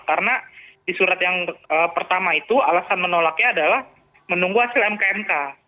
karena di surat yang pertama itu alasan menolaknya adalah menunggu hasil mkmk